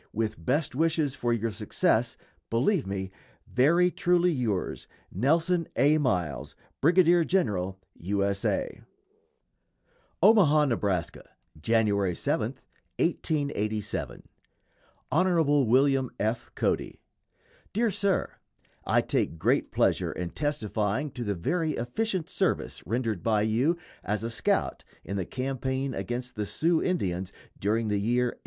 With best wishes for your success, believe me, Very truly yours, NELSON A. MILES, Brigadier General U. S. A. [Illustration: BRIGADIER GENERAL GEORGE CROOK.] OMAHA, NEB., January 7, 1887. Hon. William F. Cody. DEAR SIR: I take great pleasure in testifying to the very efficient service rendered by you "as a scout" in the campaign against the Sioux Indians during the year 1876.